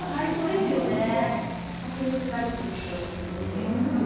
蜂蜜がいい仕事をしています。